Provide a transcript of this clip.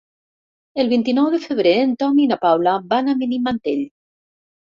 El vint-i-nou de febrer en Tom i na Paula van a Benimantell.